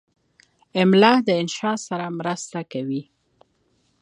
املا د انشا سره مرسته کوي.